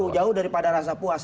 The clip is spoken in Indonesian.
jauh daripada rasa puas